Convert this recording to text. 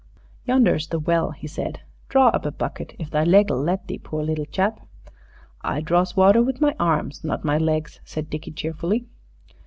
"Yonder's the well," he said; "draw up a bucket, if thy leg'll let thee, poor little chap!" "I draws water with my arms, not my legs," said Dickie cheerfully.